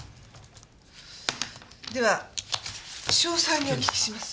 では詳細にお聞きします。